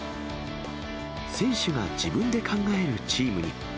選手が自分で考えるチームに。